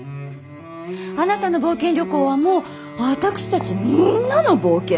あなたの冒険旅行はもう私たちみんなの冒険。